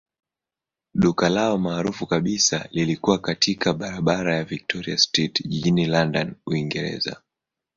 Duka lao maarufu kabisa lilikuwa katika barabara ya Victoria Street jijini London, Uingereza.